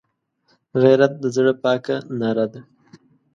غیرت د زړه پاکه ناره ده